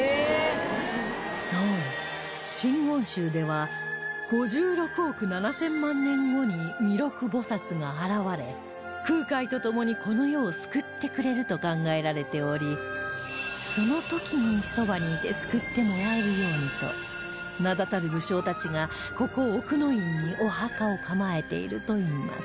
そう真言宗では５６億７０００万年後に弥勒菩薩が現れ空海と共にこの世を救ってくれると考えられておりその時にそばにいて救ってもらえるようにと名だたる武将たちがここ奥之院にお墓を構えているといいます